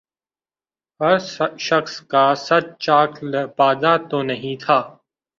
ہر شخص کا صد چاک لبادہ تو نہیں تھا